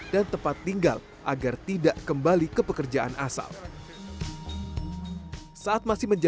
dan kita tidak boleh kalah